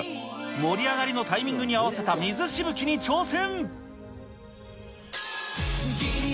盛り上がりのタイミングに合わせた水しぶきに挑戦。